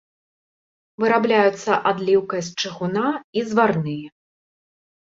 Вырабляюцца адліўкай з чыгуна і зварныя.